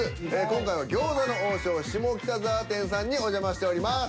今回は「餃子の王将下北沢店」さんにお邪魔しております。